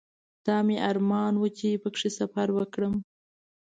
دا مې ارمان و چې په کې سفر وکړم.